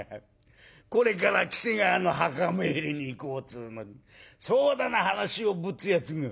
これから喜瀬川の墓参りに行こうつうのにそうだな話をぶつやつがあるか！」。